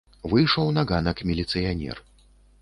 Выйшаў на ганак міліцыянер.